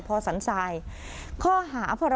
คุณค่ะ